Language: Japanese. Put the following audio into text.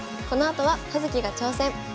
このあとは「葉月が挑戦！」。